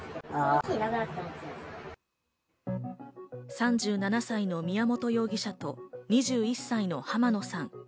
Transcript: ３７歳の宮本容疑者と２１歳の浜野さん。